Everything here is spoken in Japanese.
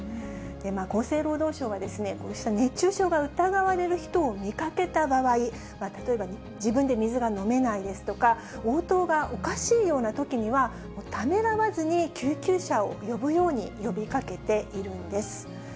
厚生労働省は、こうした熱中症が疑われる人を見かけた場合、例えば自分で水が飲めないですとか、応答がおかしいようなときには、ためらわずに救急車を呼ぶように呼びかけているんです。